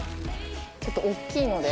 ちょっと大っきいので。